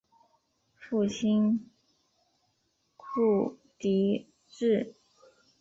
父亲厍狄峙。